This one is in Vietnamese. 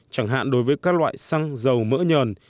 chẳng hạn đối với các loại xăng dầu mỡ nhờn